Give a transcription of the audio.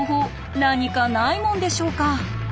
何かないもんでしょうか？